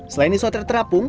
selain isoter terapung